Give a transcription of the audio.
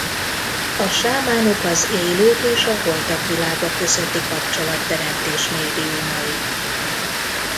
A sámánok az élők és a holtak világa közötti kapcsolatteremtés médiumai.